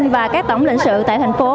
và các tổng lĩnh sự tại thành phố